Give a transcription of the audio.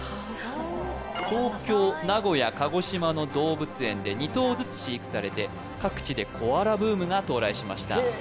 東京名古屋鹿児島の動物園で２頭ずつ飼育されて各地でコアラブームが到来しましたへえ